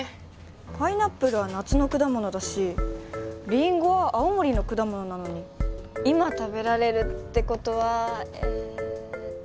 パイナップルは夏の果物だしりんごは青森の果物なのに今食べられるってことはえっと